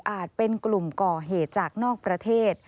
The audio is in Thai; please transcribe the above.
เป็นกลุ่มก่อเหตุจากนอกประเทศ